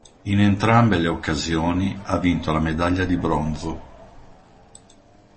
In entrambe le occasioni ha vinto la medaglia di bronzo.